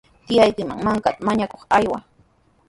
Tiyaykiman mankata mañakuq ayway.